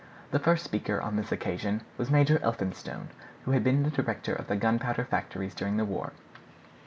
The first speaker on this occasion was Major Elphinstone, who had been the director of the gunpowder factories during the war.